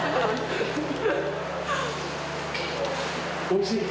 おいしい？